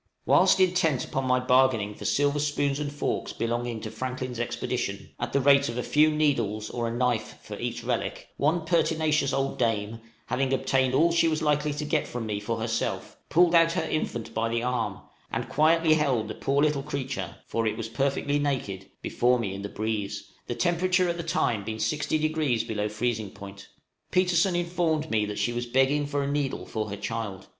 Whilst intent upon my bargaining for silver spoons and forks belonging to Franklin's expedition, at the rate of a few needles or a knife for each relic, one pertinacious old dame, after having obtained all she was likely to get from me for herself, pulled out her infant by the arm, and quietly held the poor little creature (for it was perfectly naked) before me in the breeze, the temperature at the time being 60° below freezing point! Petersen informed me that she was begging for a needle for her child.